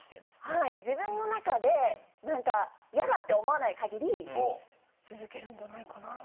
はい自分の中で何か嫌だって思わない限り続けるんじゃないかなと。